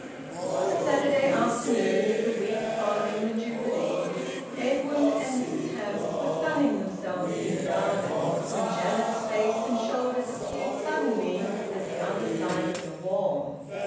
On the Saturday afternoon of the week following the Jubilee, Edwin and Mrs Hamps were sunning themselves in the garden, when Janet's face and shoulders appeared suddenly at the other side of the wall.